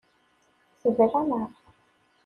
Tebram-aɣ.